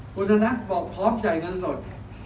บุธนักพร้อมใจเงินสด